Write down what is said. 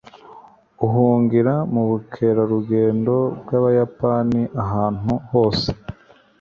Uhungira mubukerarugendo bwabayapani ahantu hose.